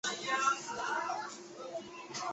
她之后在洛杉矶西湖女子学院就读。